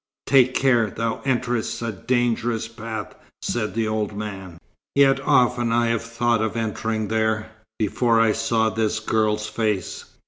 "Take care! Thou enterest a dangerous path," said the old man. "Yet often I have thought of entering there, before I saw this girl's face."